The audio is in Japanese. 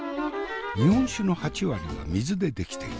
日本酒の８割は水で出来ている。